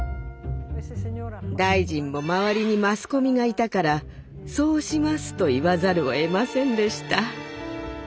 大臣も周りにマスコミがいたから「そうします」と言わざるをえませんでした。